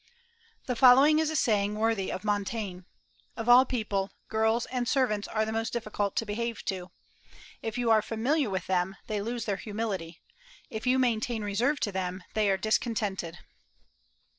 The following is a saying worthy of Montaigne: "Of all people, girls and servants are the most difficult to behave to. If you are familiar with them, they lose their humility; if you maintain reserve to them, they are discontented."